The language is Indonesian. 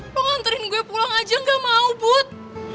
lo anterin gue pulang aja gak mau bud